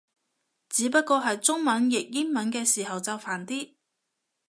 只不過係中文譯英文嘅時候就煩啲